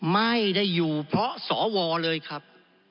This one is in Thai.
ไม่ได้อยู่เพราะสวเลยครับ